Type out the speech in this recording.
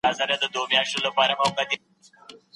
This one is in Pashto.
د خوړو مسمومیت د معدې د تېزابو نورمال حالت خرابوي.